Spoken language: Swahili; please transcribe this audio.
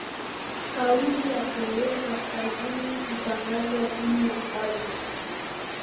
kauli ya korea kaskazini kutangaza vinu ambavyo